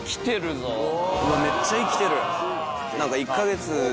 ぞうわっめっちゃ生きてる。